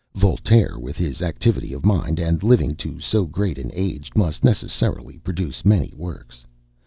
Voltaire, with his activity of mind, and living to so great an age, must necessarily produce many works.